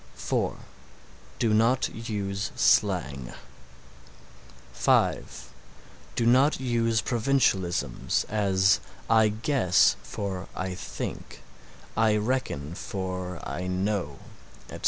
(4) Do not use slang. (5) Do not use provincialisms, as "I guess" for "I think"; "I reckon" for "I know," etc.